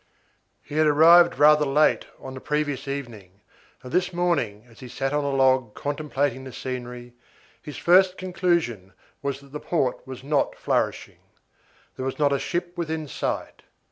He had arrived rather late on the previous evening, and this morning, as he sat on a log contemplating the scenery, his first conclusion was that the port was not flourishing. There was not a ship within sight.